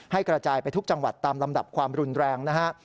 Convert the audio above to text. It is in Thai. กระจายไปทุกจังหวัดตามลำดับความรุนแรงนะฮะ